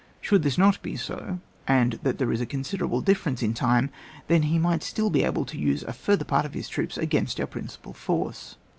Should this not be so, and that there is a considerable dif ference in time, then he might still be able to use a further part of his troops against our principal force.